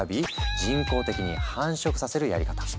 人工的に繁殖させるやり方。